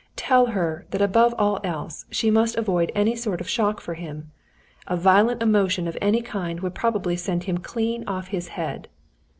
Tell her, that above all else, she must avoid any sort of shock for him. A violent emotion of any kind would probably send him clean off his head."